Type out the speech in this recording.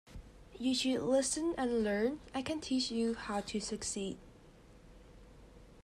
You should listen and learn; I can teach you how to succeed